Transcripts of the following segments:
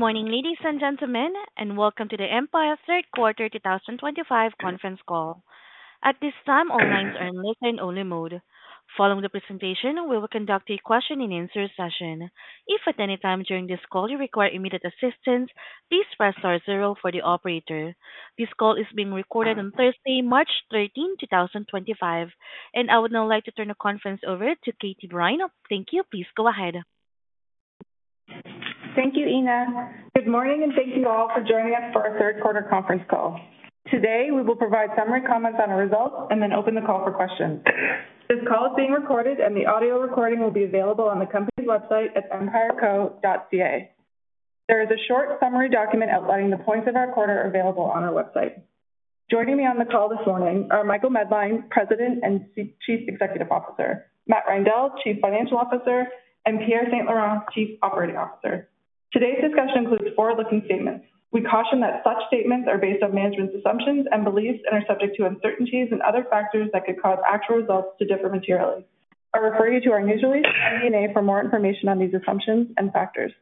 Good morning, ladies and gentlemen, and welcome to the Empire Third Quarter 2025 conference call. At this time, all lines are in listen-only mode. Following the presentation, we will conduct a question-and-answer session. If at any time during this call you require immediate assistance, please press star zero for the operator. This call is being recorded on Thursday, March 13, 2025, and I would now like to turn the conference over to Katie Brine. Thank you. Please go ahead. Thank you, Ina. Good morning, and thank you all for joining us for our third quarter conference call. Today, we will provide summary comments on our results and then open the call for questions. This call is being recorded, and the audio recording will be available on the company's website at empireco.ca. There is a short summary document outlining the points of our quarter available on our website. Joining me on the call this morning are Michael Medline, President and Chief Executive Officer; Matt Reindel, Chief Financial Officer; and Pierre St-Laurent, Chief Operating Officer. Today's discussion includes forward-looking statements. We caution that such statements are based on management's assumptions and beliefs and are subject to uncertainties and other factors that could cause actual results to differ materially. I refer you to our news release and MD&A for more information on these assumptions and factors.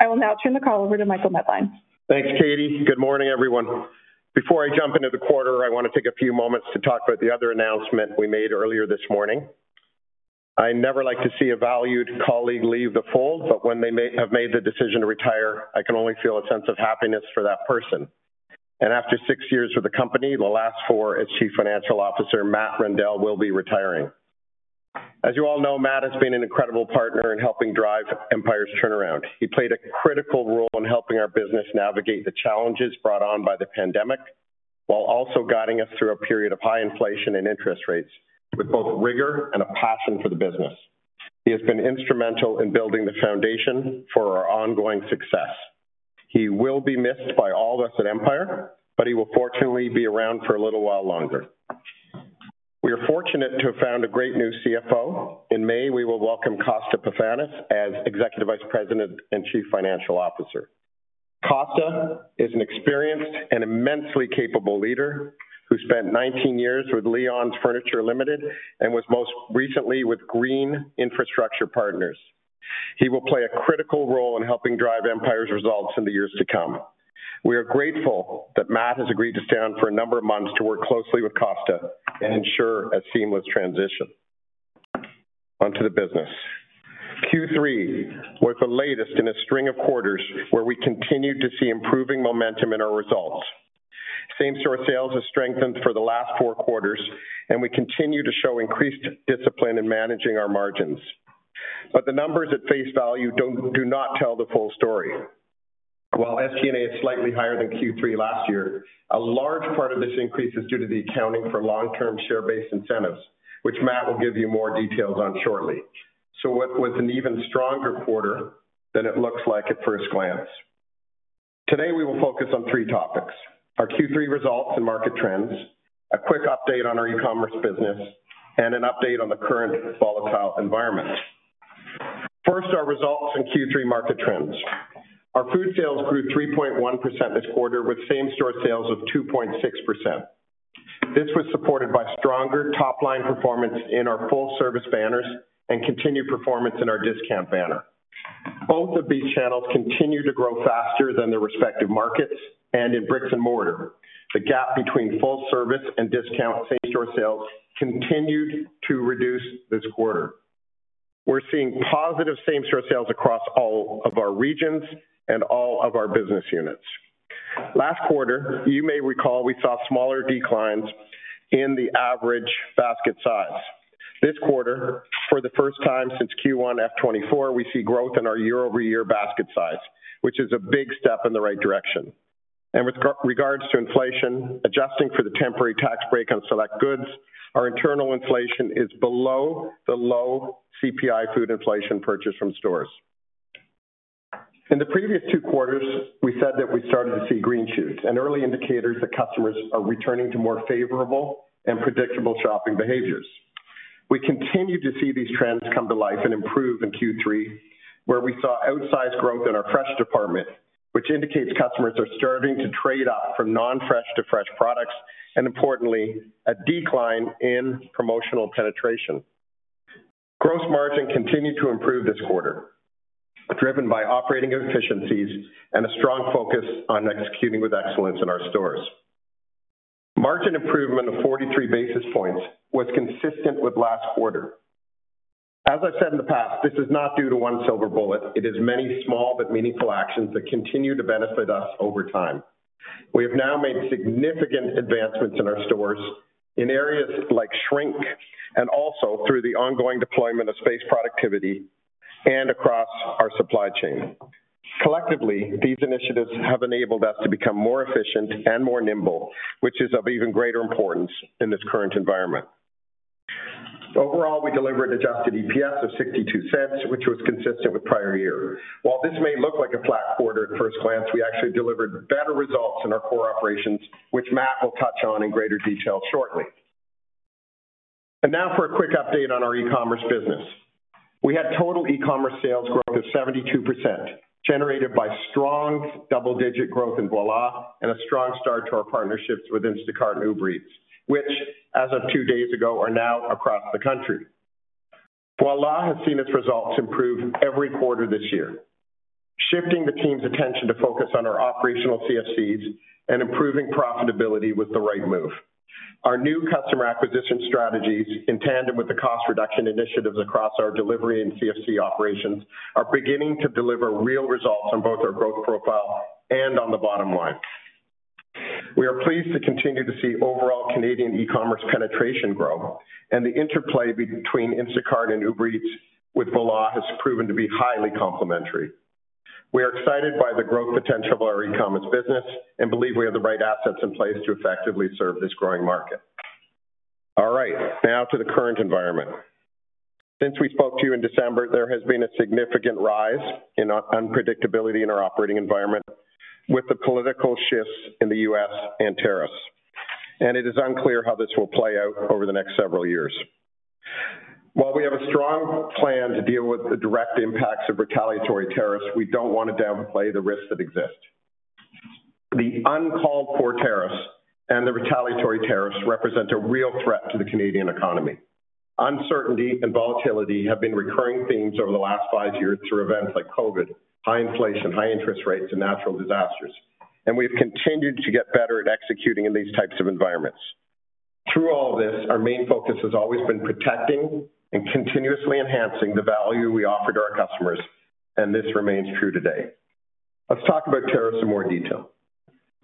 I will now turn the call over to Michael Medline. Thanks, Katie. Good morning, everyone. Before I jump into the quarter, I want to take a few moments to talk about the other announcement we made earlier this morning. I never like to see a valued colleague leave the fold, but when they have made the decision to retire, I can only feel a sense of happiness for that person. After six years with the company, the last four as Chief Financial Officer, Matt Reindel will be retiring. As you all know, Matt has been an incredible partner in helping drive Empire's turnaround. He played a critical role in helping our business navigate the challenges brought on by the pandemic while also guiding us through a period of high inflation and interest rates with both rigor and a passion for the business. He has been instrumental in building the foundation for our ongoing success. He will be missed by all of us at Empire, but he will fortunately be around for a little while longer. We are fortunate to have found a great new CFO. In May, we will welcome Costa Pefanis as Executive Vice President and Chief Financial Officer. Costa is an experienced and immensely capable leader who spent 19 years with Leon's Furniture Limited and was most recently with Green Infrastructure Partners. He will play a critical role in helping drive Empire's results in the years to come. We are grateful that Matt has agreed to stay on for a number of months to work closely with Costa and ensure a seamless transition. Onto the business. Q3 was the latest in a string of quarters where we continued to see improving momentum in our results. Same-store sales have strengthened for the last four quarters, and we continue to show increased discipline in managing our margins. The numbers at face value do not tell the full story. While SG&A is slightly higher than Q3 last year, a large part of this increase is due to the accounting for long-term share-based incentives, which Matt will give you more details on shortly. What was an even stronger quarter than it looks like at first glance? Today, we will focus on three topics: our Q3 results and market trends, a quick update on our e-commerce business, and an update on the current volatile environment. First, our results and Q3 market trends. Our food sales grew 3.1% this quarter with same-store sales of 2.6%. This was supported by stronger top-line performance in our full-service banners and continued performance in our discount banner. Both of these channels continue to grow faster than their respective markets and in bricks and mortar. The gap between full-service and discount same-store sales continued to reduce this quarter. We're seeing positive same-store sales across all of our regions and all of our business units. Last quarter, you may recall we saw smaller declines in the average basket size. This quarter, for the first time since Q1 2024, we see growth in our year-over-year basket size, which is a big step in the right direction. With regards to inflation, adjusting for the temporary tax break on select goods, our internal inflation is below the low CPI food inflation purchased from stores. In the previous two quarters, we said that we started to see green shoots, an early indicator that customers are returning to more favorable and predictable shopping behaviors. We continue to see these trends come to life and improve in Q3, where we saw outsized growth in our fresh department, which indicates customers are starting to trade up from non-fresh to fresh products and, importantly, a decline in promotional penetration. Gross margin continued to improve this quarter, driven by operating efficiencies and a strong focus on executing with excellence in our stores. Margin improvement of 43 basis points was consistent with last quarter. As I've said in the past, this is not due to one silver bullet. It is many small but meaningful actions that continue to benefit us over time. We have now made significant advancements in our stores in areas like shrink and also through the ongoing deployment of space productivity and across our supply chain. Collectively, these initiatives have enabled us to become more efficient and more nimble, which is of even greater importance in this current environment. Overall, we delivered adjusted EPS of 0.62, which was consistent with prior year. While this may look like a flat quarter at first glance, we actually delivered better results in our core operations, which Matt will touch on in greater detail shortly. Now for a quick update on our e-commerce business. We had total e-commerce sales growth of 72%, generated by strong double-digit growth in Voilà and a strong start to our partnerships with Instacart and Uber Eats, which, as of two days ago, are now across the country. Voilà has seen its results improve every quarter this year. Shifting the team's attention to focus on our operational CFCs and improving profitability was the right move. Our new customer acquisition strategies, in tandem with the cost reduction initiatives across our delivery and CFC operations, are beginning to deliver real results on both our growth profile and on the bottom line. We are pleased to continue to see overall Canadian e-commerce penetration grow, and the interplay between Instacart and Uber Eats with Voilà has proven to be highly complementary. We are excited by the growth potential of our e-commerce business and believe we have the right assets in place to effectively serve this growing market. All right, now to the current environment. Since we spoke to you in December, there has been a significant rise in unpredictability in our operating environment with the political shifts in the U.S. and tariffs. It is unclear how this will play out over the next several years. While we have a strong plan to deal with the direct impacts of retaliatory tariffs, we do not want to downplay the risks that exist. The uncalled for tariffs and the retaliatory tariffs represent a real threat to the Canadian economy. Uncertainty and volatility have been recurring themes over the last five years through events like COVID, high inflation, high interest rates, and natural disasters. We have continued to get better at executing in these types of environments. Through all of this, our main focus has always been protecting and continuously enhancing the value we offer to our customers, and this remains true today. Let's talk about tariffs in more detail.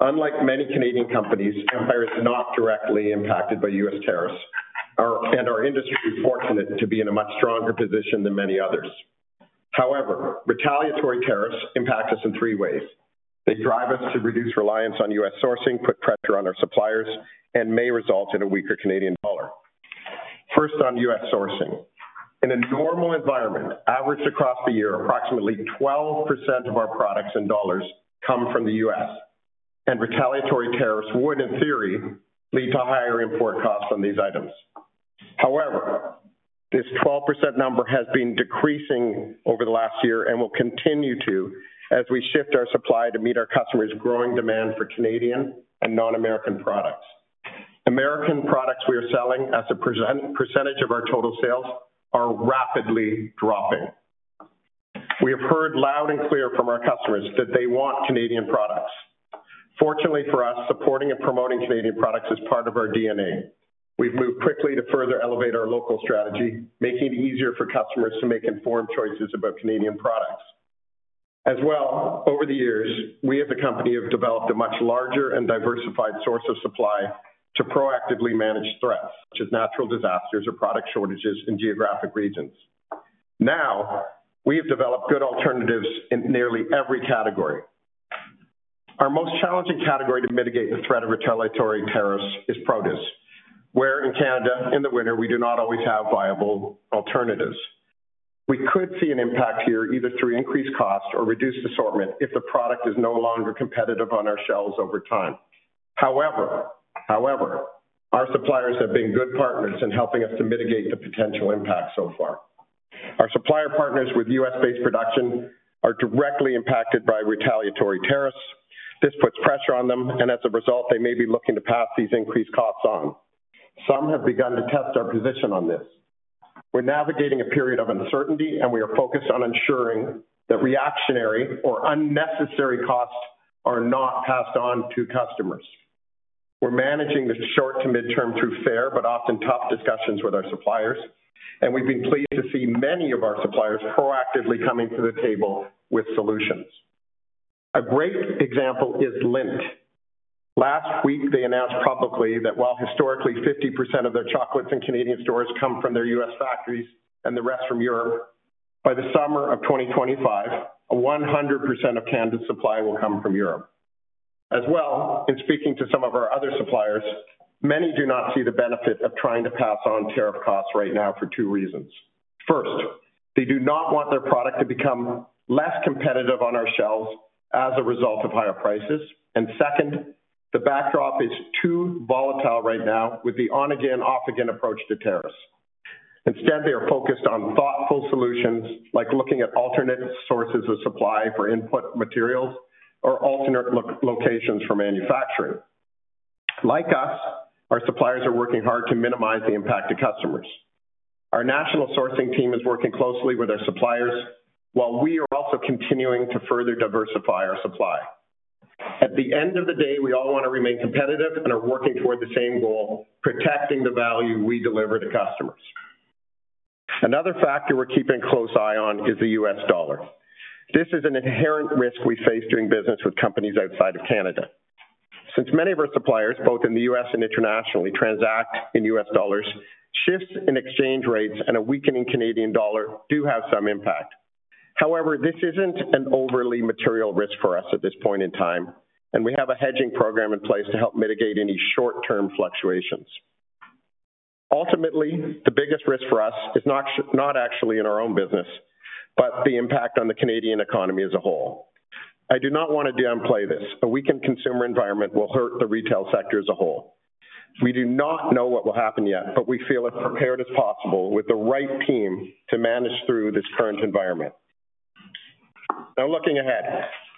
Unlike many Canadian companies, Empire is not directly impacted by U.S. tariffs, and our industry is fortunate to be in a much stronger position than many others. However, retaliatory tariffs impact us in three ways. They drive us to reduce reliance on U.S. sourcing, put pressure on our suppliers, and may result in a weaker Canadian dollar. First, on U.S. sourcing. In a normal environment, averaged across the year, approximately 12% of our products and dollars come from the U.S. Retaliatory tariffs would, in theory, lead to higher import costs on these items. However, this 12% number has been decreasing over the last year and will continue to as we shift our supply to meet our customers' growing demand for Canadian and non-American products. American products we are selling as a percentage of our total sales are rapidly dropping. We have heard loud and clear from our customers that they want Canadian products. Fortunately for us, supporting and promoting Canadian products is part of our DNA. We've moved quickly to further elevate our local strategy, making it easier for customers to make informed choices about Canadian products. As well, over the years, we as a company have developed a much larger and diversified source of supply to proactively manage threats such as natural disasters or product shortages in geographic regions. Now, we have developed good alternatives in nearly every category. Our most challenging category to mitigate the threat of retaliatory tariffs is produce, where in Canada, in the winter, we do not always have viable alternatives. We could see an impact here either through increased cost or reduced assortment if the product is no longer competitive on our shelves over time. However, our suppliers have been good partners in helping us to mitigate the potential impact so far. Our supplier partners with U.S.-based production are directly impacted by retaliatory tariffs. This puts pressure on them, and as a result, they may be looking to pass these increased costs on. Some have begun to test our position on this. We're navigating a period of uncertainty, and we are focused on ensuring that reactionary or unnecessary costs are not passed on to customers. We're managing the short- to midterm through fair but often tough discussions with our suppliers, and we've been pleased to see many of our suppliers proactively coming to the table with solutions. A great example is Lindt. Last week, they announced publicly that while historically 50% of their chocolates in Canadian stores come from their U.S. factories and the rest from Europe, by the summer of 2025, 100% of Canada's supply will come from Europe. As well, in speaking to some of our other suppliers, many do not see the benefit of trying to pass on tariff costs right now for two reasons. First, they do not want their product to become less competitive on our shelves as a result of higher prices. Second, the backdrop is too volatile right now with the on-again, off-again approach to tariffs. Instead, they are focused on thoughtful solutions like looking at alternate sources of supply for input materials or alternate locations for manufacturing. Like us, our suppliers are working hard to minimize the impact to customers. Our national sourcing team is working closely with our suppliers while we are also continuing to further diversify our supply. At the end of the day, we all want to remain competitive and are working toward the same goal: protecting the value we deliver to customers. Another factor we're keeping a close eye on is the U.S. dollar. This is an inherent risk we face doing business with companies outside of Canada. Since many of our suppliers, both in the U.S. and internationally, transact in U.S. dollars, shifts in exchange rates and a weakening Canadian dollar do have some impact. However, this isn't an overly material risk for us at this point in time, and we have a hedging program in place to help mitigate any short-term fluctuations. Ultimately, the biggest risk for us is not actually in our own business, but the impact on the Canadian economy as a whole. I do not want to downplay this. A weakened consumer environment will hurt the retail sector as a whole. We do not know what will happen yet, but we feel as prepared as possible with the right team to manage through this current environment. Now, looking ahead,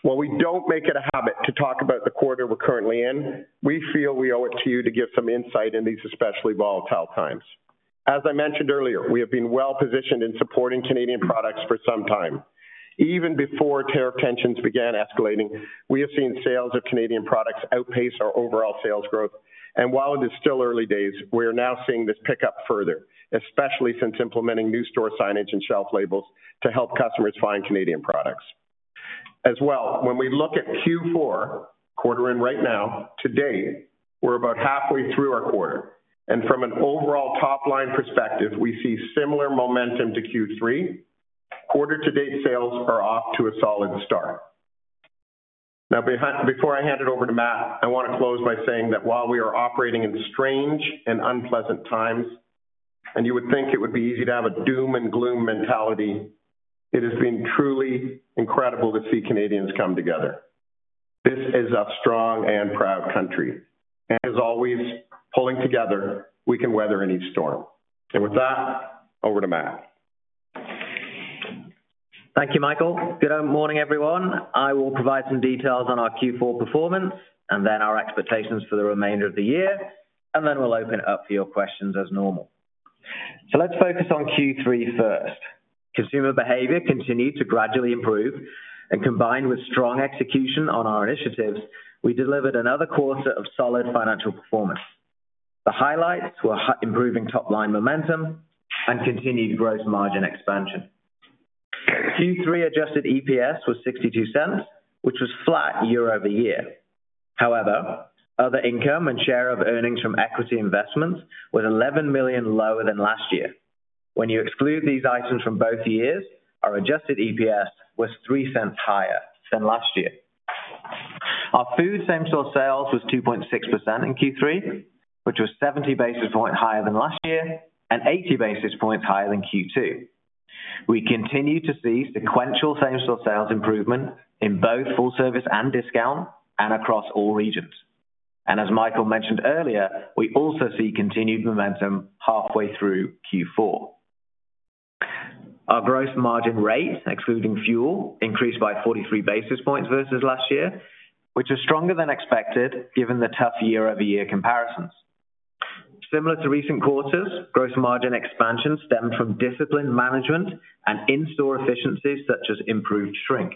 while we do not make it a habit to talk about the quarter we are currently in, we feel we owe it to you to give some insight in these especially volatile times. As I mentioned earlier, we have been well-positioned in supporting Canadian products for some time. Even before tariff tensions began escalating, we have seen sales of Canadian products outpace our overall sales growth. While it is still early days, we are now seeing this pick up further, especially since implementing new store signage and shelf labels to help customers find Canadian products. As well, when we look at Q4, quarter in right now, to date, we are about halfway through our quarter. From an overall top-line perspective, we see similar momentum to Q3. Quarter-to-date sales are off to a solid start. Now, before I hand it over to Matt, I want to close by saying that while we are operating in strange and unpleasant times, and you would think it would be easy to have a doom-and-gloom mentality, it has been truly incredible to see Canadians come together. This is a strong and proud country. As always, pulling together, we can weather any storm. With that, over to Matt. Thank you, Michael. Good morning, everyone. I will provide some details on our Q4 performance and then our expectations for the remainder of the year. Then we'll open it up for your questions as normal. Let's focus on Q3 first. Consumer behavior continued to gradually improve. Combined with strong execution on our initiatives, we delivered another quarter of solid financial performance. The highlights were improving top-line momentum and continued gross margin expansion. Q3 adjusted EPS was $0.62, which was flat year-over-year. However, other income and share of earnings from equity investments was $11 million lower than last year. When you exclude these items from both years, our adjusted EPS was $0.03 higher than last year. Our food same-store sales was 2.6% in Q3, which was 70 basis points higher than last year and 80 basis points higher than Q2. We continue to see sequential same-store sales improvement in both full service and discount and across all regions. As Michael mentioned earlier, we also see continued momentum halfway through Q4. Our gross margin rate, excluding fuel, increased by 43 basis points versus last year, which was stronger than expected given the tough year-over-year comparisons. Similar to recent quarters, gross margin expansion stemmed from disciplined management and in-store efficiencies such as improved shrink.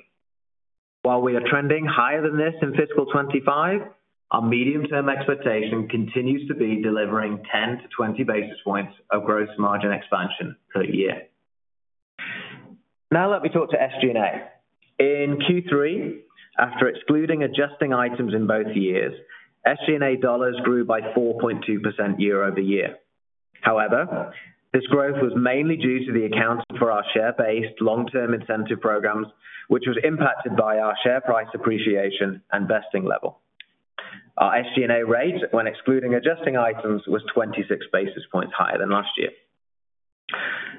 While we are trending higher than this in fiscal 2025, our medium-term expectation continues to be delivering 10-20 basis points of gross margin expansion per year. Now let me talk to SG&A. In Q3, after excluding adjusting items in both years, SG&A dollars grew by 4.2% year-over-year. However, this growth was mainly due to the accounting for our share-based long-term incentive programs, which was impacted by our share price appreciation and vesting level. Our SG&A rate, when excluding adjusting items, was 26 basis points higher than last year.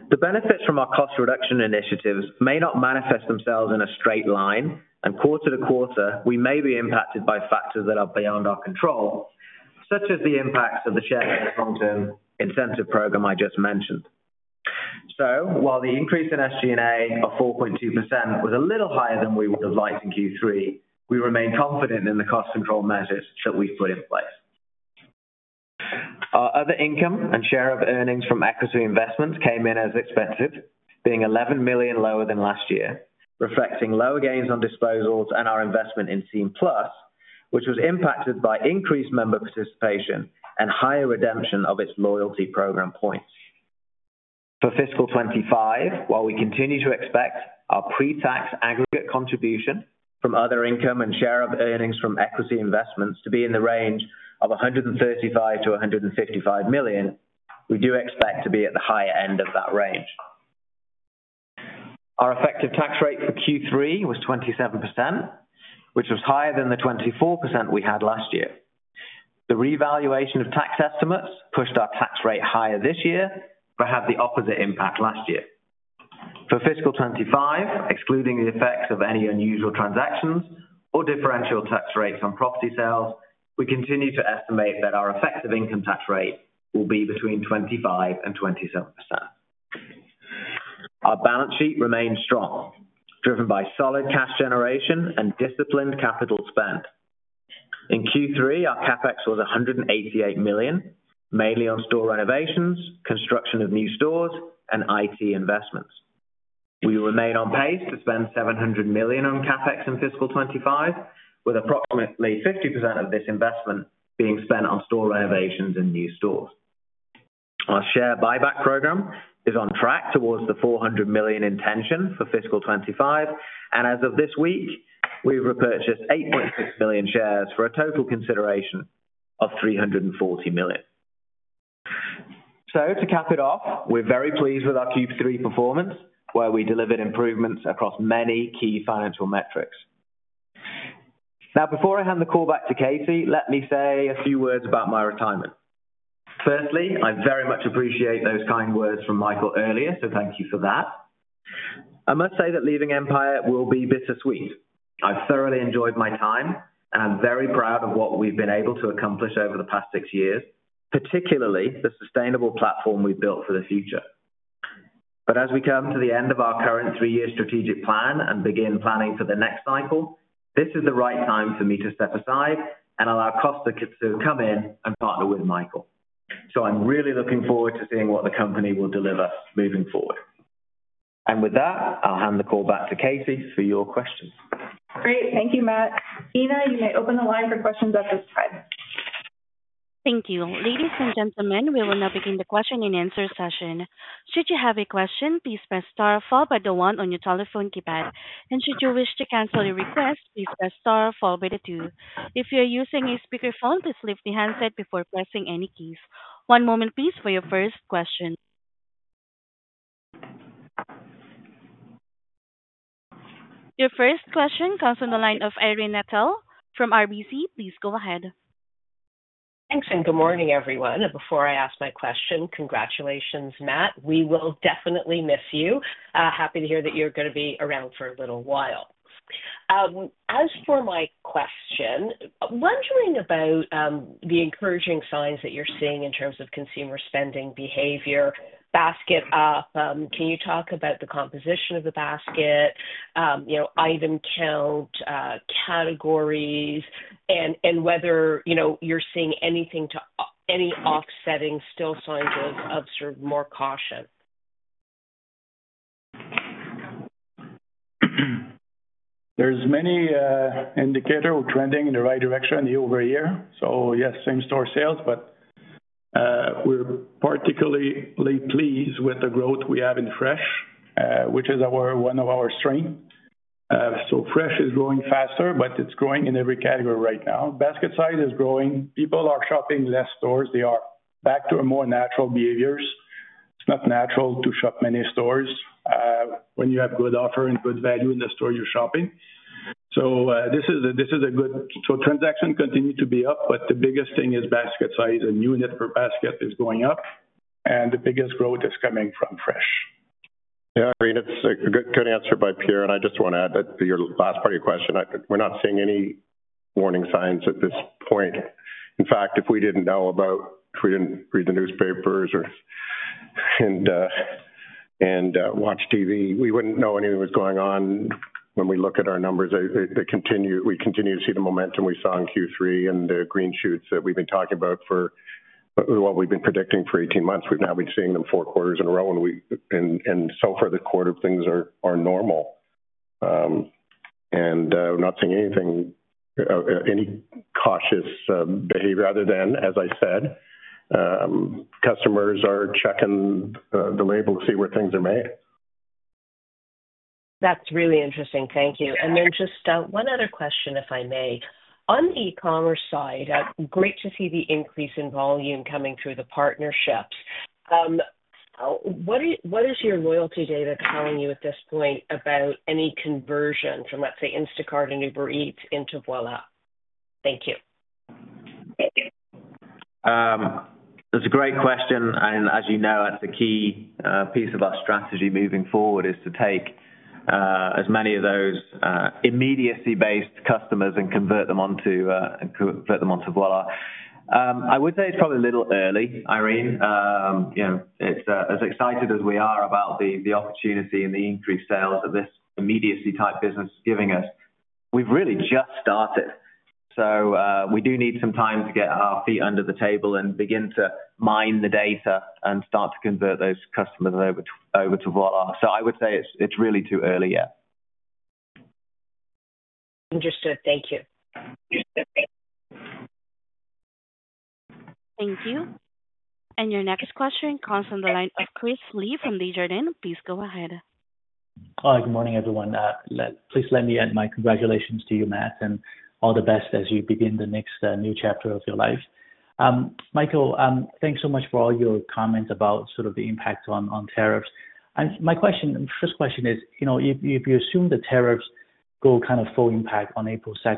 The benefits from our cost reduction initiatives may not manifest themselves in a straight line, and quarter to quarter, we may be impacted by factors that are beyond our control, such as the impacts of the share-based long-term incentive program I just mentioned. While the increase in SG&A of 4.2% was a little higher than we would have liked in Q3, we remain confident in the cost control measures that we've put in place. Our other income and share of earnings from equity investments came in as expected, being 11 million lower than last year, reflecting lower gains on disposals and our investment in Scene+, which was impacted by increased member participation and higher redemption of its loyalty program points. For fiscal 2025, while we continue to expect our pre-tax aggregate contribution from other income and share of earnings from equity investments to be in the range of 135 million-155 million, we do expect to be at the higher end of that range. Our effective tax rate for Q3 was 27%, which was higher than the 24% we had last year. The revaluation of tax estimates pushed our tax rate higher this year, but had the opposite impact last year. For fiscal 2025, excluding the effects of any unusual transactions or differential tax rates on property sales, we continue to estimate that our effective income tax rate will be between 25-27%. Our balance sheet remained strong, driven by solid cash generation and disciplined capital spend. In Q3, our CapEx was 188 million, mainly on store renovations, construction of new stores, and IT investments. We will remain on pace to spend 700 million on CapEx in fiscal 2025, with approximately 50% of this investment being spent on store renovations and new stores. Our share buyback program is on track towards the 400 million intention for fiscal 2025. As of this week, we've repurchased 8.6 million shares for a total consideration of 340 million. To cap it off, we're very pleased with our Q3 performance, where we delivered improvements across many key financial metrics. Now, before I hand the call back to Katie, let me say a few words about my retirement. Firstly, I very much appreciate those kind words from Michael earlier, so thank you for that. I must say that leaving Empire will be bittersweet. I've thoroughly enjoyed my time, and I'm very proud of what we've been able to accomplish over the past six years, particularly the sustainable platform we've built for the future. As we come to the end of our current three-year strategic plan and begin planning for the next cycle, this is the right time for me to step aside and allow Costa to come in and partner with Michael. I'm really looking forward to seeing what the company will deliver moving forward. With that, I'll hand the call back to Katie for your questions. Great. Thank you, Matt. Ina, you may open the line for questions at this time. Thank you. Ladies and gentlemen, we will now begin the question and answer session. Should you have a question, please press star followed by the one on your telephone keypad. Should you wish to cancel a request, please press star followed by the two. If you are using a speakerphone, please lift the handset before pressing any keys. One moment, please, for your first question. Your first question comes from the line of Irene Nattel from RBC. Please go ahead. Thanks, and good morning, everyone. Before I ask my question, congratulations, Matt. We will definitely miss you. Happy to hear that you're going to be around for a little while. As for my question, wondering about the encouraging signs that you're seeing in terms of consumer spending behavior, basket up. Can you talk about the composition of the basket, item count, categories, and whether you're seeing anything to any offsetting still signs of sort of more caution? There are many indicators trending in the right direction year over year. Yes, same-store sales, but we're particularly pleased with the growth we have in fresh, which is one of our strengths. Fresh is growing faster, but it's growing in every category right now. Basket size is growing. People are shopping less stores. They are back to more natural behaviors. It's not natural to shop many stores when you have good offer and good value in the store you're shopping. This is a good transaction, continues to be up, but the biggest thing is basket size and unit per basket is going up. The biggest growth is coming from fresh. Yeah, I mean, it's a good answer by Pierre. I just want to add that your last part of your question, we're not seeing any warning signs at this point. In fact, if we didn't know about, if we didn't read the newspapers and watch TV, we wouldn't know anything was going on. When we look at our numbers, we continue to see the momentum we saw in Q3 and the green shoots that we've been talking about for what we've been predicting for 18 months. We've now been seeing them four quarters in a row. So far, the quarter of things are normal. We're not seeing anything, any cautious behavior other than, as I said, customers are checking the label to see where things are made. That's really interesting. Thank you. Just one other question, if I may. On the e-commerce side, great to see the increase in volume coming through the partnerships. What is your loyalty data telling you at this point about any conversion from, let's say, Instacart and Uber Eats into Voilà? Thank you. Thank you. It's a great question. As you know, that's a key piece of our strategy moving forward is to take as many of those immediacy-based customers and convert them onto Voilà. I would say it's probably a little early, Irene. As excited as we are about the opportunity and the increased sales that this immediacy-type business is giving us, we've really just started. We do need some time to get our feet under the table and begin to mine the data and start to convert those customers over to Voilà. I would say it's really too early yet. Understood. Thank you. Thank you. Your next question comes from the line of Chris Li from Desjardins. Please go ahead. Hi, good morning, everyone. Please let me add my congratulations to you, Matt, and all the best as you begin the next new chapter of your life. Michael, thanks so much for all your comments about sort of the impact on tariffs. My question, first question is, if you assume the tariffs go kind of full impact on April 2,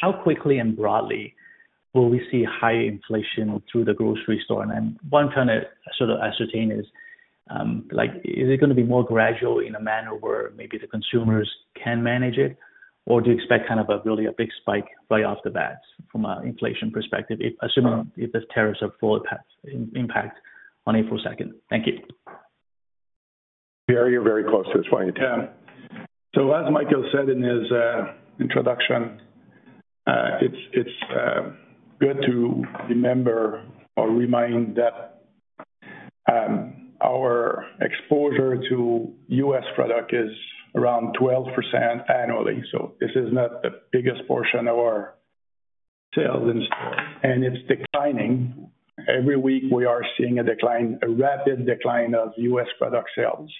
how quickly and broadly will we see higher inflation through the grocery store? One kind of sort of ascertain is, is it going to be more gradual in a manner where maybe the consumers can manage it? Or do you expect kind of a really big spike right off the bat from an inflation perspective, assuming if the tariffs have full impact on April 2, 2024? Thank you. Very, very close to this point. As Michael said in his introduction, it is good to remember or remind that our exposure to U.S. product is around 12% annually. This is not the biggest portion of our sales in store. It is declining. Every week, we are seeing a decline, a rapid decline of U.S. product sales.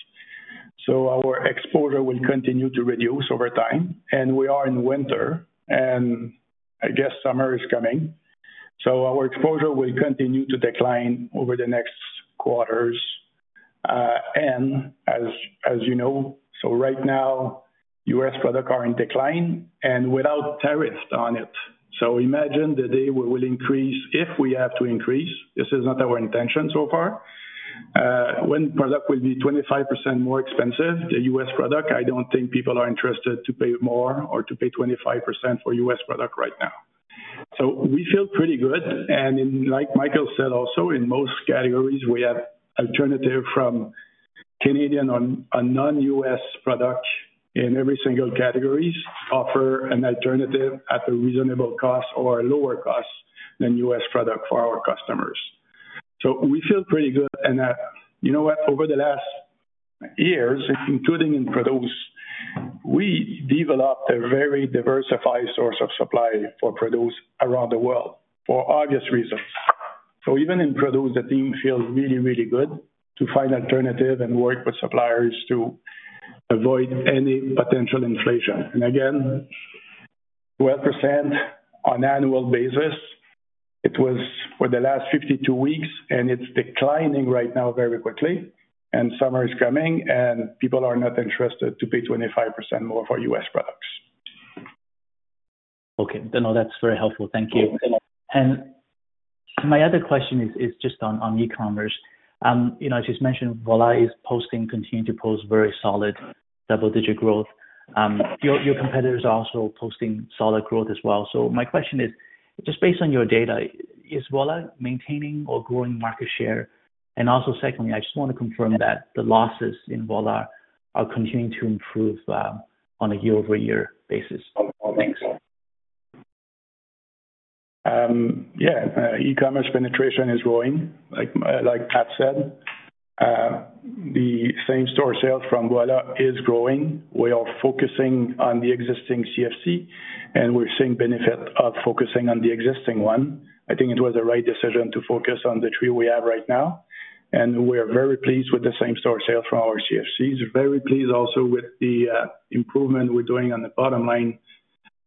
Our exposure will continue to reduce over time. We are in winter, and I guess summer is coming. Our exposure will continue to decline over the next quarters. As you know, right now, U.S. product are in decline and without tariffs on it. Imagine the day we will increase if we have to increase. This is not our intention so far. When product will be 25% more expensive, the U.S. product, I do not think people are interested to pay more or to pay 25% for U.S. product right now. We feel pretty good. Like Michael said, also in most categories, we have alternative from Canadian or non-U.S. product in every single categories offer an alternative at a reasonable cost or a lower cost than U.S. product for our customers. We feel pretty good. You know what? Over the last years, including in produce, we developed a very diversified source of supply for produce around the world for obvious reasons. Even in produce, the team feels really, really good to find alternative and work with suppliers to avoid any potential inflation. Again, 12% on annual basis, it was for the last 52 weeks, and it's declining right now very quickly. Summer is coming, and people are not interested to pay 25% more for U.S. products. Okay. No, that's very helpful. Thank you. My other question is just on e-commerce. As you mentioned, Voilà is posting, continuing to post very solid double-digit growth. Your competitors are also posting solid growth as well. My question is, just based on your data, is Voilà maintaining or growing market share? Also, I just want to confirm that the losses in Voilà are continuing to improve on a year-over-year basis. Thanks. Yeah, e-commerce penetration is growing, like Matsaid. The same store sales from Voilà is growing. We are focusing on the existing CFC, and we're seeing benefit of focusing on the existing one. I think it was the right decision to focus on the three we have right now. We are very pleased with the same store sales from our CFCs. Very pleased also with the improvement we're doing on the bottom line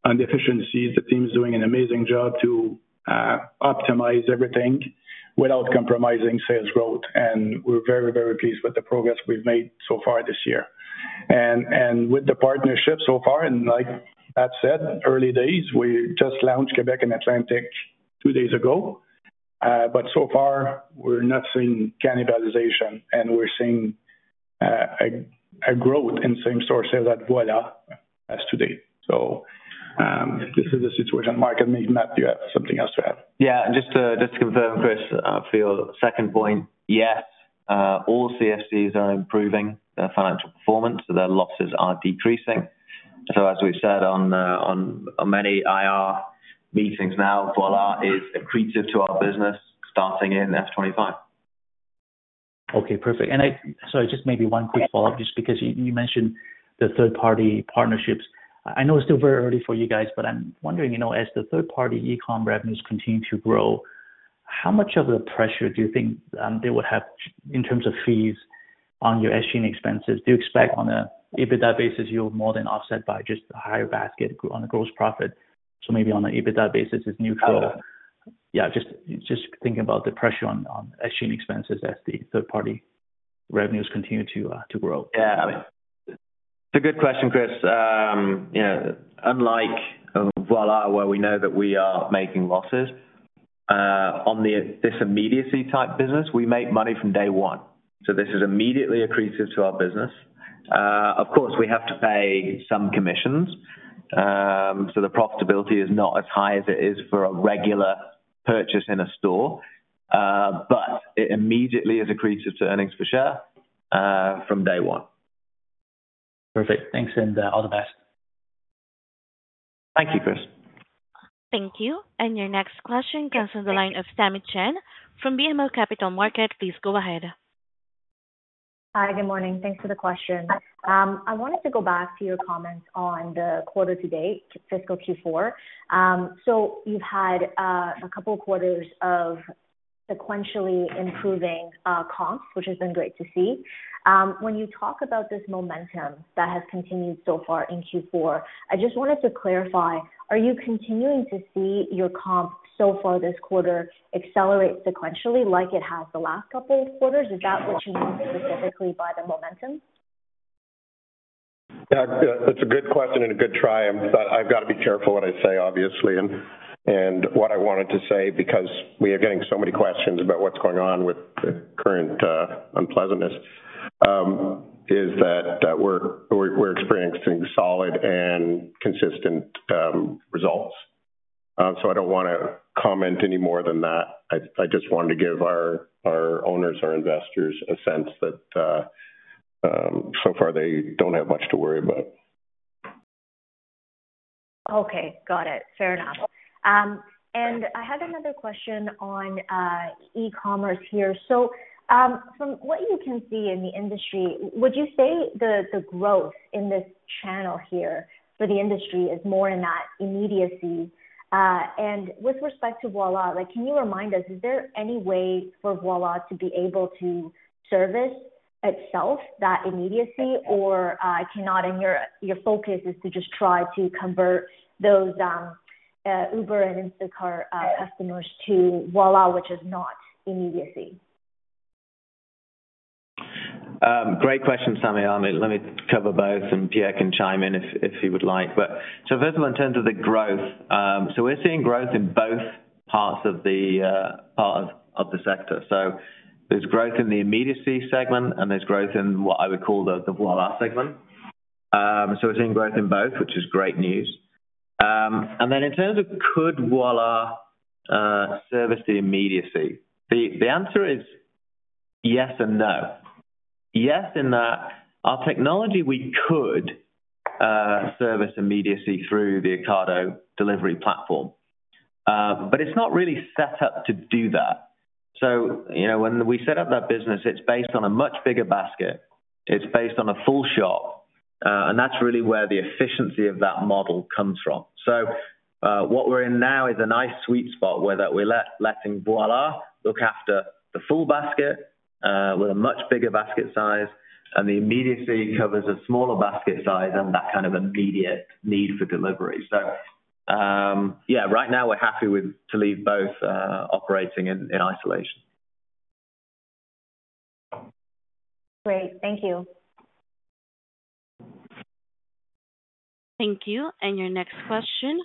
on efficiencies. The team is doing an amazing job to optimize everything without compromising sales growth. We are very, very pleased with the progress we've made so far this year. With the partnership so far, like Pat said, early days, we just launched Quebec and Atlantic two days ago. So far, we're not seeing cannibalization, and we're seeing a growth in same store sales at Voila as today. This is the situation market makes. Matt, do you have something else to add? Yeah, just to confirm, Chris, for your second point, yes, all CFCs are improving their financial performance. Their losses are decreasing. As we said on many IR meetings now, Voilà is accretive to our business starting in fiscal 2025. Okay, perfect. Sorry, just maybe one quick follow-up, just because you mentioned the third-party partnerships. I know it is still very early for you guys, but I am wondering, as the third-party e-com revenues continue to grow, how much of the pressure do you think they would have in terms of fees on your SG&A expenses? Do you expect on an EBITDA basis, you are more than offset by just a higher basket on the gross profit? Maybe on an EBITDA basis, it is neutral. I am just thinking about the pressure on SG&A expenses as the third-party revenues continue to grow. Yeah, it is a good question, Chris. Unlike Voilà, where we know that we are making losses, on this immediacy-type business, we make money from day one. This is immediately accretive to our business. Of course, we have to pay some commissions. The profitability is not as high as it is for a regular purchase in a store. It immediately is accretive to earnings per share from day one. Perfect. Thanks, and all the best. Thank you, Chris. Thank you. Your next question comes from the line ofSt-Michel Samuel from BMO Capital Markets. Please go ahead. Hi, good morning. Thanks for the question. I wanted to go back to your comments on the quarter-to-date, fiscal Q4. You have had a couple of quarters of sequentially improving comps, which has been great to see. When you talk about this momentum that has continued so far in Q4, I just wanted to clarify, are you continuing to see your comp so far this quarter accelerate sequentially like it has the last couple of quarters? Is that what you mean specifically by the momentum? That's a good question and a good try. I have got to be careful what I say, obviously, and what I wanted to say, because we are getting so many questions about what's going on with the current unpleasantness, is that we are experiencing solid and consistent results. I do not want to comment any more than that. I just wanted to give our owners, our investors, a sense that so far they do not have much to worry about. Okay, got it. Fair enough. I have another question on e-commerce here. From what you can see in the industry, would you say the growth in this channel here for the industry is more in that immediacy? With respect to Voila, can you remind us, is there any way for Voila to be able to service itself, that immediacy, or cannot? Your focus is to just try to convert those Uber and Instacart customers to Voila, which is not immediacy? Great question, Samuel. Let me cover both, and Pierre can chime in if he would like. First of all, in terms of the growth, we are seeing growth in both parts of the sector. There is growth in the immediacy segment, and there is growth in what I would call the Voila segment. We are seeing growth in both, which is great news. In terms of could Voila service the immediacy, the answer is yes and no. Yes, in that our technology, we could service immediacy through the Ocado delivery platform, but it's not really set up to do that. When we set up that business, it's based on a much bigger basket. It's based on a full shop. That's really where the efficiency of that model comes from. What we're in now is a nice sweet spot where we're letting Voilà look after the full basket with a much bigger basket size, and the immediacy covers a smaller basket size and that kind of immediate need for delivery. Right now we're happy to leave both operating in isolation. Great. Thank you. Thank you. Your next question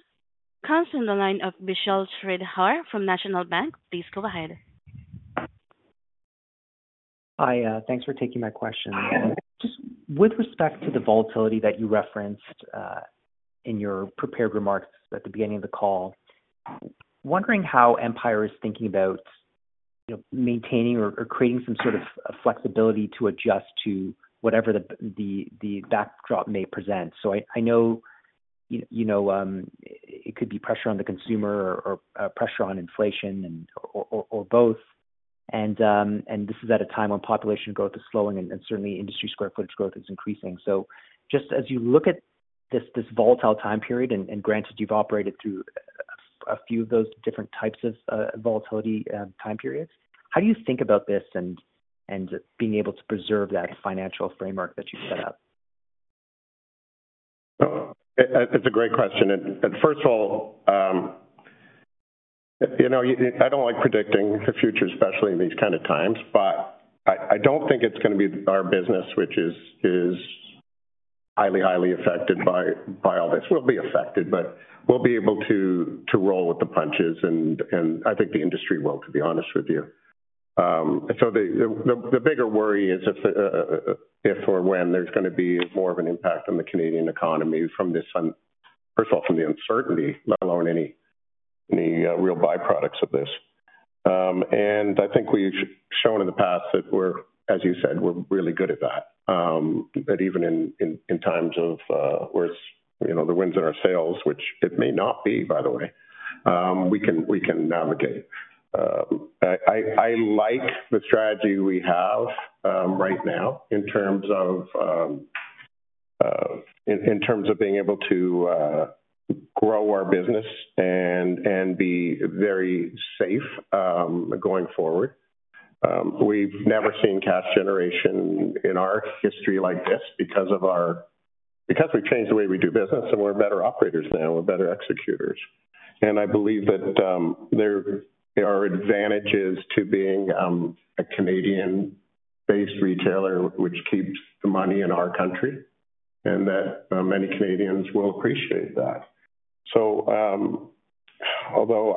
comes from the line of Vishal Shreedhar from National Bank. Please go ahead. Hi, thanks for taking my question. Just with respect to the volatility that you referenced in your prepared remarks at the beginning of the call, wondering how Empire is thinking about maintaining or creating some sort of flexibility to adjust to whatever the backdrop may present. I know it could be pressure on the consumer or pressure on inflation or both. This is at a time when population growth is slowing, and certainly industry square footage growth is increasing. Just as you look at this volatile time period, and granted you've operated through a few of those different types of volatility time periods, how do you think about this and being able to preserve that financial framework that you've set up? It's a great question. First of all, I don't like predicting the future, especially in these kind of times, but I don't think it's going to be our business, which is highly, highly affected by all this. We'll be affected, but we'll be able to roll with the punches. I think the industry will, to be honest with you. The bigger worry is if or when there's going to be more of an impact on the Canadian economy from this, first of all, from the uncertainty, let alone any real byproducts of this. I think we've shown in the past that we're, as you said, we're really good at that. Even in times of where it's the winds in our sails, which it may not be, by the way, we can navigate. I like the strategy we have right now in terms of being able to grow our business and be very safe going forward. We've never seen cash generation in our history like this because we've changed the way we do business, and we're better operators now. We're better executors. I believe that there are advantages to being a Canadian-based retailer, which keeps the money in our country, and that many Canadians will appreciate that. Although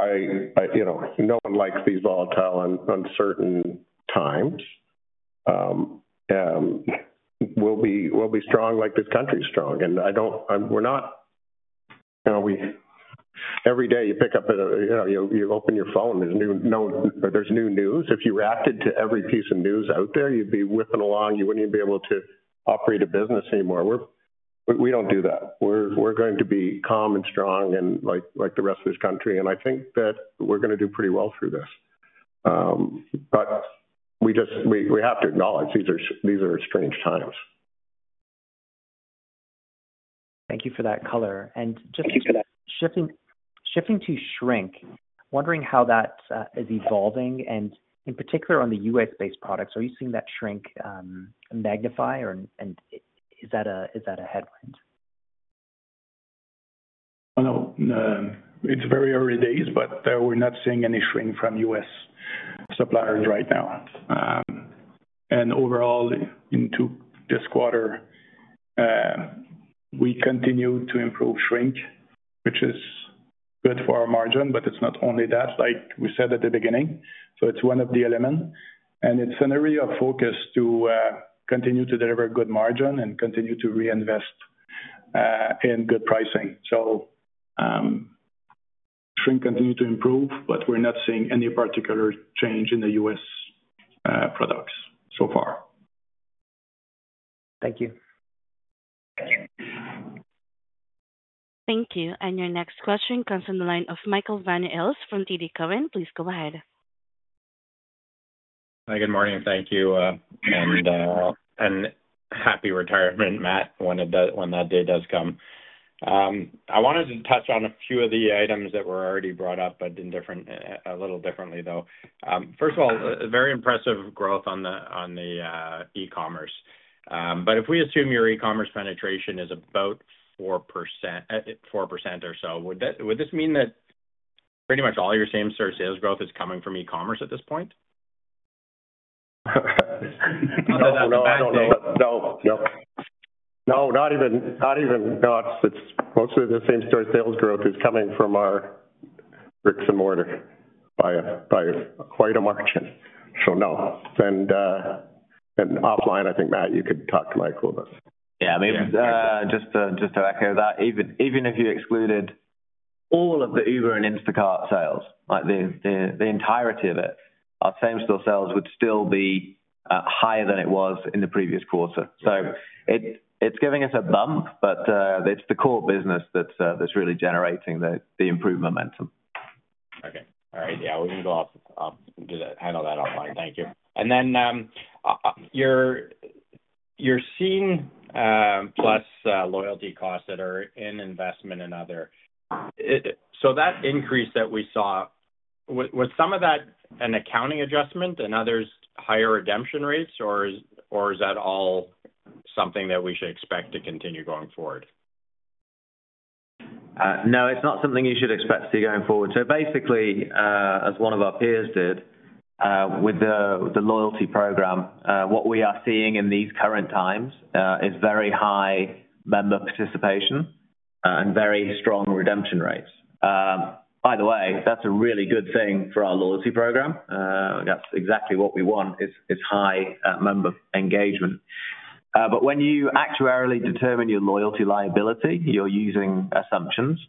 no one likes these volatile and uncertain times, we'll be strong like this country is strong. Every day you pick up, you open your phone, there's new news. If you reacted to every piece of news out there, you'd be whipping along. You wouldn't even be able to operate a business anymore. We don't do that. We're going to be calm and strong like the rest of this country. I think that we're going to do pretty well through this. We have to acknowledge these are strange times. Thank you for that color. Just shifting to shrink, wondering how that is evolving, and in particular on the U.S.-based products. Are you seeing that shrink magnify, and is that a headwind? It is very early days, but we're not seeing any shrink from U.S. suppliers right now. Overall, into this quarter, we continue to improve shrink, which is good for our margin, but it's not only that, like we said at the beginning. It is one of the elements. It is an area of focus to continue to deliver good margin and continue to reinvest in good pricing. Shrink continues to improve, but we're not seeing any particular change in the U.S. products so far. Thank you. Thank you. Your next question comes from the line of Michael Van Aelst from TD Cowen. Please go ahead. Hi, good morning. Thank you. And happy retirement, Matt, when that day does come. I wanted to touch on a few of the items that were already brought up, but a little differently, though. First of all, very impressive growth on the e-commerce. If we assume your e-commerce penetration is about 4% or so, would this mean that pretty much all your same-store sales growth is coming from e-commerce at this point? I do not know. No, no. No, not even close. Mostly the same-store sales growth is coming from our bricks and mortar by quite a margin. No. Offline, I think, Matt, you could talk to Mike with us. Yeah, just to echo that, even if you excluded all of the Uber Eats and Instacart sales, the entirety of it, our same-store sales would still be higher than it was in the previous quarter. It is giving us a bump, but it is the core business that is really generating the improved momentum. Okay. All right. Yeah, we can go off and handle that offline. Thank you. Your Scene+ loyalty costs that are in investment and other, that increase that we saw, was some of that an accounting adjustment and others higher redemption rates, or is that all something that we should expect to continue going forward? No, it is not something you should expect to see going forward. Basically, as one of our peers did with the loyalty program, what we are seeing in these current times is very high member participation and very strong redemption rates. By the way, that's a really good thing for our loyalty program. That's exactly what we want is high member engagement. When you actuarily determine your loyalty liability, you're using assumptions.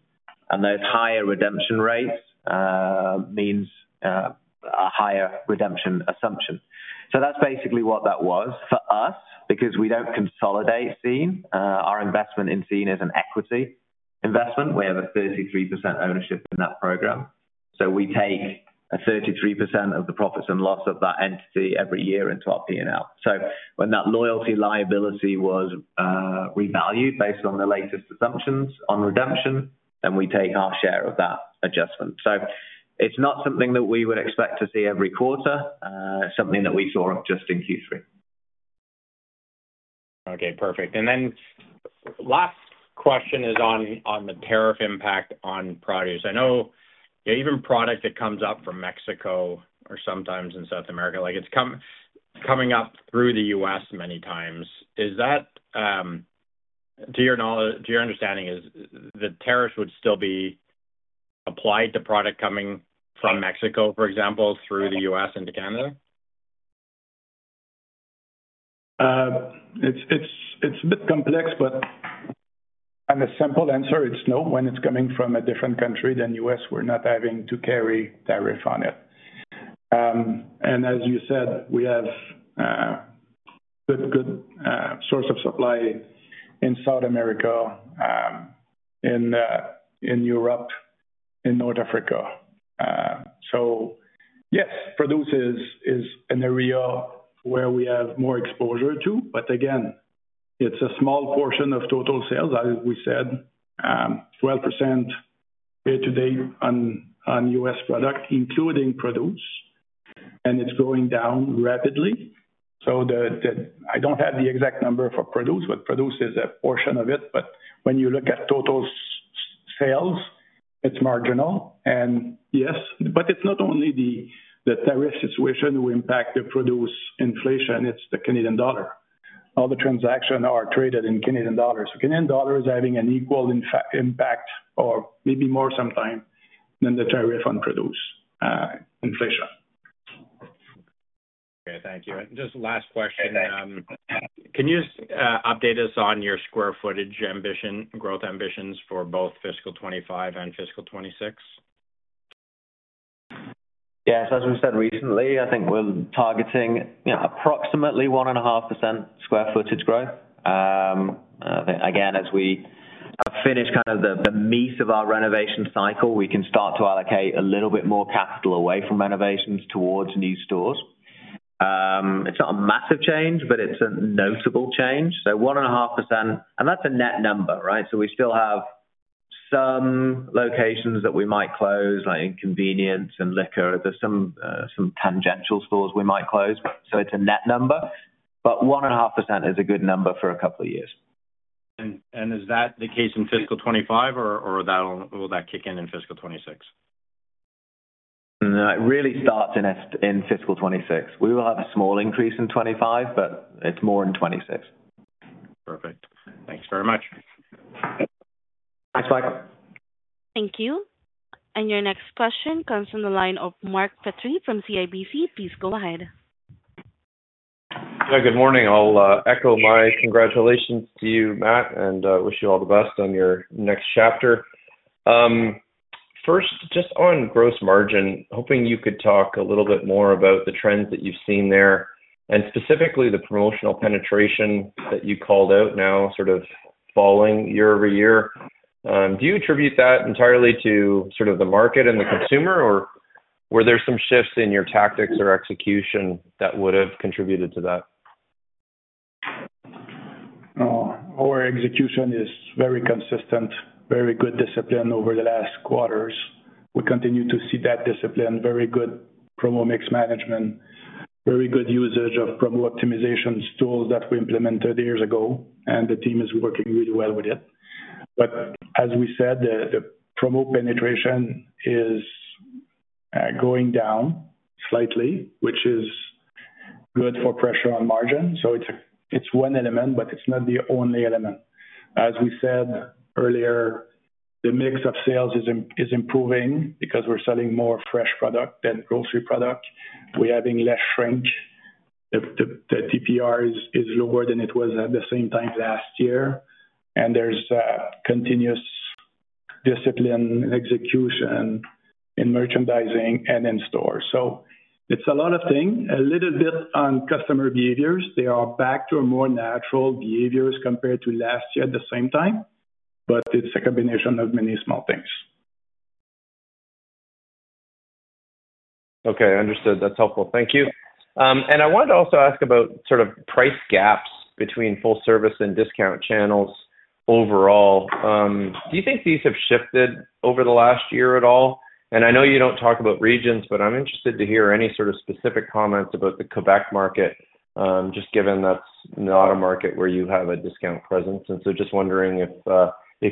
Those higher redemption rates mean a higher redemption assumption. That's basically what that was for us, because we don't consolidate Scene+. Our investment in Scene+ is an equity investment. We have a 33% ownership in that program. We take 33% of the profits and loss of that entity every year into our P&L. When that loyalty liability was revalued based on the latest assumptions on redemption, we take our share of that adjustment. It's not something that we would expect to see every quarter, something that we saw just in Q3. Okay, perfect. Last question is on the tariff impact on produce. I know even product that comes up from Mexico or sometimes in South America, it's coming up through the U.S. many times. To your understanding, the tariffs would still be applied to product coming from Mexico, for example, through the U.S. and to Canada? It's a bit complex, but the simple answer is no. When it's coming from a different country than the U.S., we're not having to carry tariff on it. As you said, we have a good source of supply in South America, in Europe, in North Africa. Yes, produce is an area where we have more exposure to. Again, it's a small portion of total sales, as we said, 12% year to date on U.S. product, including produce, and it's going down rapidly. I don't have the exact number for produce, but produce is a portion of it. When you look at total sales, it's marginal. Yes, but it's not only the tariff situation that impacts the produce inflation. It's the Canadian dollar. All the transactions are traded in Canadian dollars. The Canadian dollar is having an equal impact or maybe more sometimes than the tariff on produce inflation. Okay, thank you. Just last question. Can you update us on your square footage growth ambitions for both fiscal 2025 and fiscal 2026? Yes, as we said recently, I think we're targeting approximately 1.5% square footage growth. Again, as we finish kind of the meat of our renovation cycle, we can start to allocate a little bit more capital away from renovations towards new stores. It's not a massive change, but it's a notable change. 1.5%, and that's a net number, right? We still have some locations that we might close, like convenience and liquor. There's some tangential stores we might close. It's a net number, but 1.5% is a good number for a couple of years. Is that the case in fiscal 2025, or will that kick in in fiscal 2026? No, it really starts in fiscal 2026. We will have a small increase in 2025, but it's more in 2026. Perfect. Thanks very much. Thanks, Michael. Thank you. Your next question comes from the line of Mark Petrie from CIBC. Please go ahead. Good morning. I'll echo my congratulations to you, Matt, and wish you all the best on your next chapter. First, just on gross margin, hoping you could talk a little bit more about the trends that you've seen there, and specifically the promotional penetration that you called out now, sort of falling year over year. Do you attribute that entirely to sort of the market and the consumer, or were there some shifts in your tactics or execution that would have contributed to that? Our execution is very consistent, very good discipline over the last quarters. We continue to see that discipline, very good promo mix management, very good usage of promo optimization tools that we implemented years ago, and the team is working really well with it. As we said, the promo penetration is going down slightly, which is good for pressure on margin. It is one element, but it is not the only element. As we said earlier, the mix of sales is improving because we are selling more fresh product than grocery product. We are having less shrink. The TPR is lower than it was at the same time last year. There is continuous discipline and execution in merchandising and in stores. It is a lot of things. A little bit on customer behaviors. They are back to more natural behaviors compared to last year at the same time, but it is a combination of many small things. Okay, understood. That is helpful. Thank you. I wanted to also ask about sort of price gaps between full service and discount channels overall. Do you think these have shifted over the last year at all? I know you do not talk about regions, but I am interested to hear any sort of specific comments about the Quebec market, just given that is not a market where you have a discount presence. I am just wondering if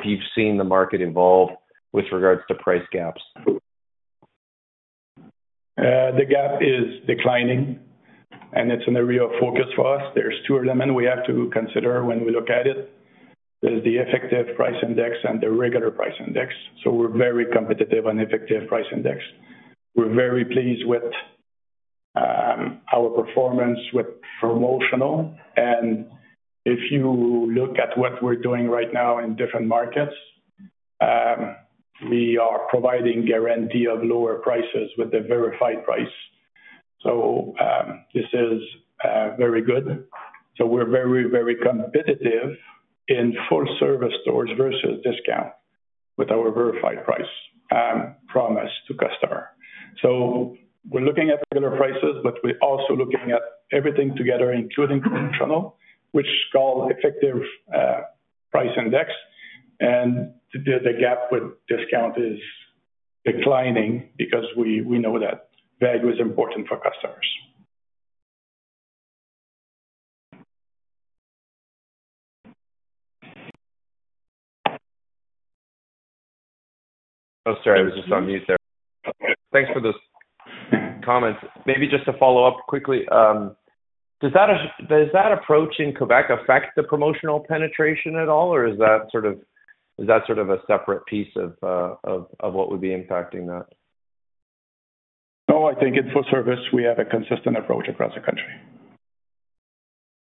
you have seen the market evolve with regards to price gaps. The gap is declining, and it is an area of focus for us. There are two elements we have to consider when we look at it. There's the effective price index and the regular price index. We're very competitive on effective price index. We're very pleased with our performance with promotional. If you look at what we're doing right now in different markets, we are providing guarantee of lower prices with the verified price. This is very good. We're very, very competitive in full service stores versus discount with our verified price promise to customer. We're looking at regular prices, but we're also looking at everything together, including promotional, which is called effective price index. The gap with discount is declining because we know that value is important for customers. Oh, sorry, I was just on mute there. Thanks for those comments. Maybe just to follow up quickly, does that approach in Quebec affect the promotional penetration at all, or is that sort of a separate piece of what would be impacting that? No, I think in full service, we have a consistent approach across the country.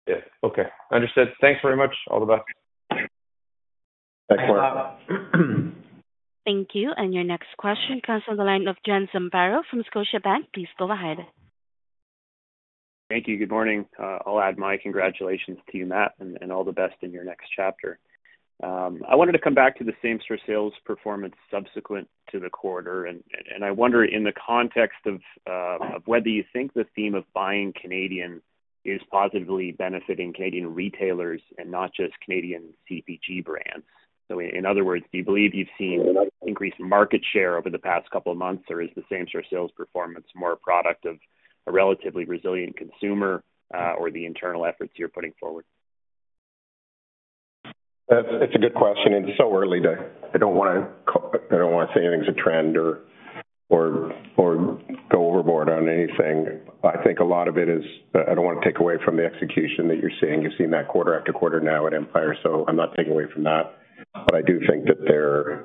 Yeah. Okay. Understood. Thanks very much. All the best. Thanks, Mike. Thank you. Your next question comes from the line of John Zamparo from Scotia Bank. Please go ahead. Thank you. Good morning. I'll add my congratulations to you, Matt, and all the best in your next chapter. I wanted to come back to the same-store sales performance subsequent to the quarter. I wonder in the context of whether you think the theme of buying Canadian is positively benefiting Canadian retailers and not just Canadian CPG brands. In other words, do you believe you've seen increased market share over the past couple of months, or is the same-store sales performance more a product of a relatively resilient consumer or the internal efforts you're putting forward? It's a good question. It's so early today. I don't want to say anything's a trend or go overboard on anything. I think a lot of it is I don't want to take away from the execution that you're seeing. You've seen that quarter after quarter now at Empire, so I'm not taking away from that. I do think that there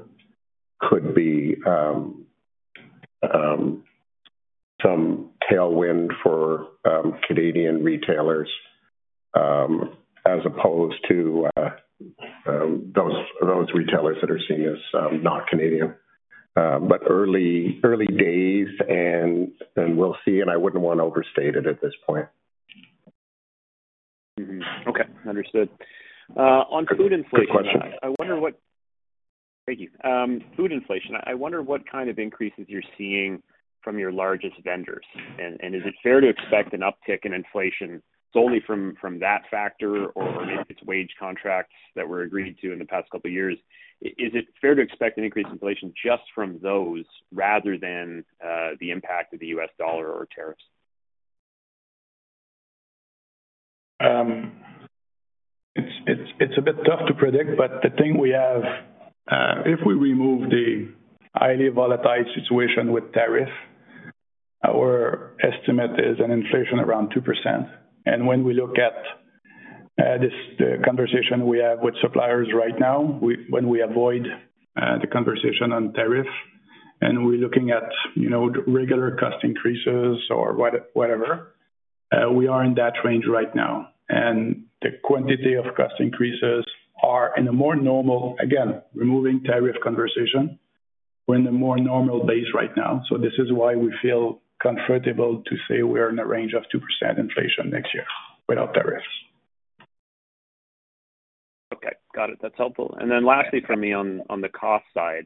could be some tailwind for Canadian retailers as opposed to those retailers that are seen as not Canadian. Early days, and we'll see, and I wouldn't want to overstate it at this point. Okay. Understood. On food inflation. Good question. I wonder what—thank you. Food inflation. I wonder what kind of increases you're seeing from your largest vendors. Is it fair to expect an uptick in inflation solely from that factor, or maybe it's wage contracts that were agreed to in the past couple of years? Is it fair to expect an increase in inflation just from those rather than the impact of the U.S. dollar or tariffs? It's a bit tough to predict, but the thing we have—if we remove the highly volatile situation with tariffs, our estimate is an inflation around 2%. When we look at the conversation we have with suppliers right now, when we avoid the conversation on tariffs, and we're looking at regular cost increases or whatever, we are in that range right now. The quantity of cost increases are in a more normal—again, removing tariff conversation—we're in a more normal base right now. This is why we feel comfortable to say we're in a range of 2% inflation next year without tariffs. Okay. Got it. That's helpful. Lastly for me on the cost side,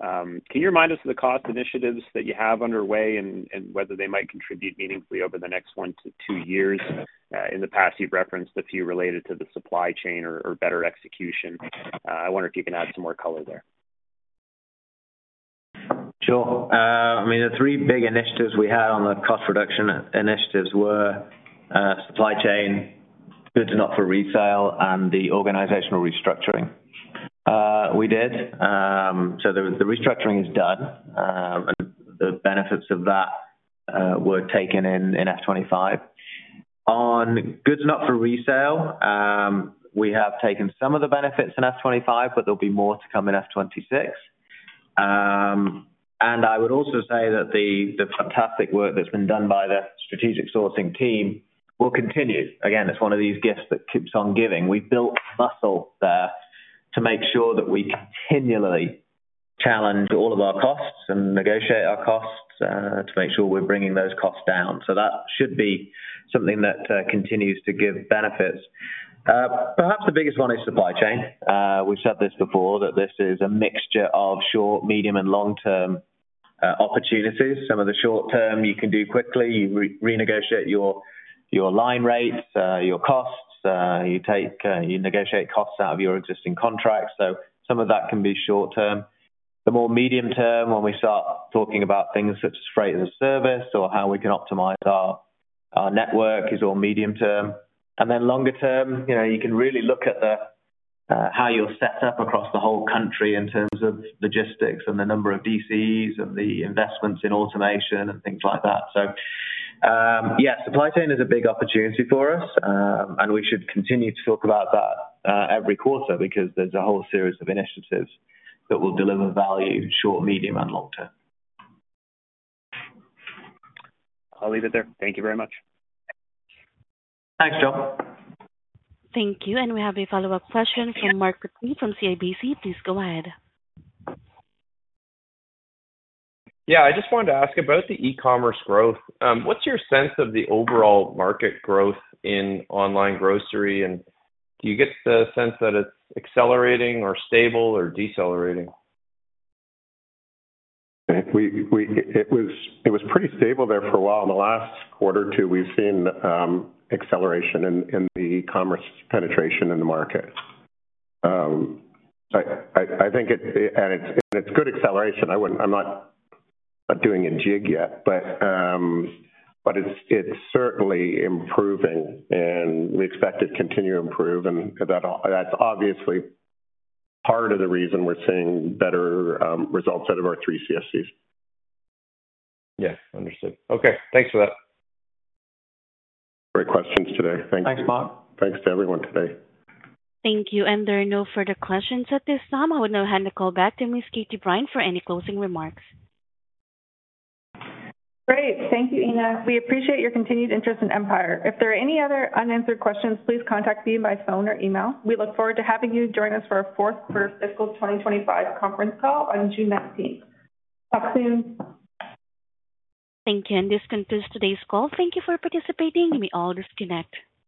can you remind us of the cost initiatives that you have underway and whether they might contribute meaningfully over the next one to two years? In the past, you've referenced a few related to the supply chain or better execution. I wonder if you can add some more color there. Sure. I mean, the three big initiatives we had on the cost reduction initiatives were supply chain, goods not for resale, and the organizational restructuring we did. The restructuring is done, and the benefits of that were taken in F2025. On goods not for resale, we have taken some of the benefits in F2025, but there will be more to come in F2026. I would also say that the fantastic work that's been done by the strategic sourcing team will continue. Again, it's one of these gifts that keeps on giving. We've built muscle there to make sure that we continually challenge all of our costs and negotiate our costs to make sure we're bringing those costs down. That should be something that continues to give benefits. Perhaps the biggest one is supply chain. We've said this before, that this is a mixture of short, medium, and long-term opportunities. Some of the short-term, you can do quickly. You renegotiate your lane rates, your costs. You negotiate costs out of your existing contracts. Some of that can be short-term. The more medium-term, when we start talking about things such as freight and service or how we can optimize our network, is all medium-term. Longer-term, you can really look at how you're set up across the whole country in terms of logistics and the number of DCs and the investments in automation and things like that. Supply chain is a big opportunity for us, and we should continue to talk about that every quarter because there's a whole series of initiatives that will deliver value short, medium, and long-term. I'll leave it there. Thank you very much. Thanks, John. Thank you. We have a follow-up question from Mark Petrie from CIBC. Please go ahead. I just wanted to ask about the e-commerce growth. What's your sense of the overall market growth in online grocery? Do you get the sense that it's accelerating or stable or decelerating? It was pretty stable there for a while. In the last quarter or two, we've seen acceleration in the e-commerce penetration in the market. I think it's good acceleration. I'm not doing a jig yet, but it's certainly improving, and we expect it to continue to improve. That's obviously part of the reason we're seeing better results out of our three CFCs. Yeah. Understood. Okay. Thanks for that. Great questions today. Thanks. Thanks, Mark. Thanks to everyone today. Thank you. There are no further questions at this time. I will now hand the call back to Ms. Katie Brine for any closing remarks. Great. Thank you, Ena. We appreciate your continued interest in Empire. If there are any other unanswered questions, please contact me by phone or email. We look forward to having you join us for our fourth quarter fiscal 2025 conference call on June 19th. Talk soon. Thank you. This concludes today's call. Thank you for participating. We all disconnect.